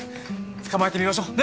捕まえてみましょ。ね！